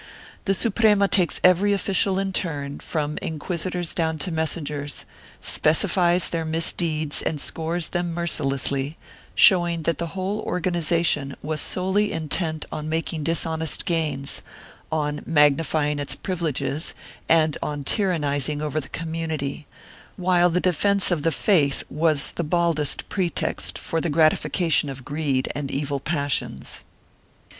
The Suprema takes every official in turn, from inquisitors down to messengers, specifies their misdeeds and scores them mercilessly, showing that the whole organization was solely intent on making dishonest gains, on magnifying its privileges and on tyrannizing over the community, while the defence of the faith was the baldest pretext for the gratification of greed and evil passions.